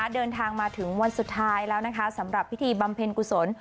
เดินทางมาถึงวันสุดท้ายแล้วนะคะสำหรับพิธีบำเพ็ญกุศล